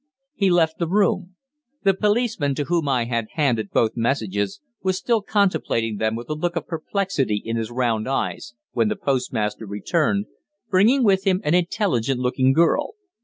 He left the room. The policeman, to whom I had handed both messages, was still contemplating them with a look of perplexity in his round eyes, when the postmaster returned, bringing with him an intelligent looking girl.